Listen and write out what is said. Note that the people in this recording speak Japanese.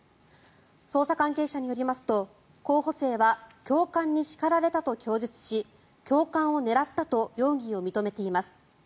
捜査関係者によりますと候補生は教官に叱られたと供述し教官を狙ったと容疑を認めています。